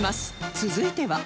続いては